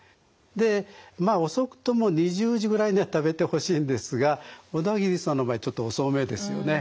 でまあ遅くとも２０時ぐらいには食べてほしいんですが小田切さんの場合ちょっと遅めですよね。